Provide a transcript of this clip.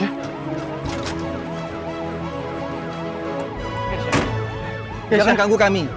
jangan ganggu kami